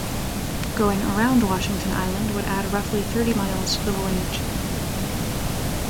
Going around Washington Island would add roughly thirty miles to the voyage.